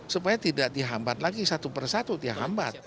supaya tidak dihambat lagi satu per satu dihambat